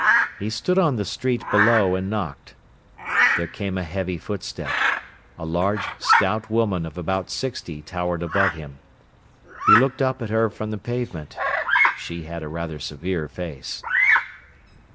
He stood on the street below and knocked. There came a heavy footstep; a large, stout woman of about sixty towered above him. He looked up at her from the pavement. She had a rather severe face.